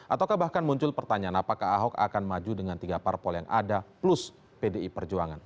ataukah bahkan muncul pertanyaan apakah ahok akan maju dengan tiga parpol yang ada plus pdi perjuangan